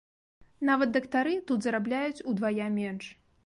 Нават дактары тут зарабляюць удвая менш.